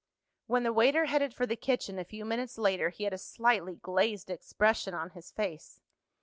When the waiter headed for the kitchen a few minutes later he had a slightly glazed expression on his face.